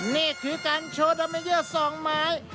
นี่คือการโชว์ดาเมเยอร์สองไม้